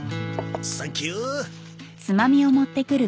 サンキュー。